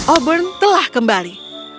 auburn telah kembali